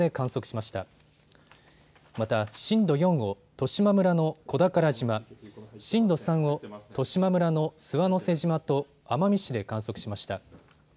また震度４を十島村の小宝島、震度３を十島村の諏訪之瀬島と奄美市で観測しました。